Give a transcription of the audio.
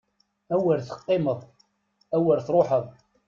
Awer teqqimeḍ! Awer truḥeḍ!